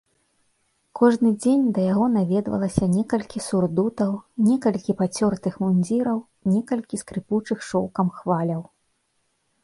Кожны дзень да яго наведвалася некалькі сурдутаў, некалькі пацёртых мундзіраў, некалькі скрыпучых шоўкам хваляў.